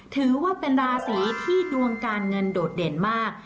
ถือว่าเป็นราศีที่ดวงการเงินโดดเด่นมาก